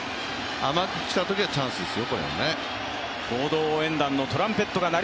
甘くきたときがチャンスですよ。